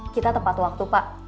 kita tepat waktu pak